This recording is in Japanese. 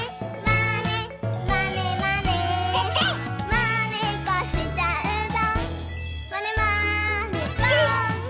「まねっこしちゃうぞまねまねぽん！」